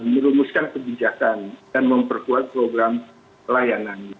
merumuskan kebijakan dan memperkuat program layanan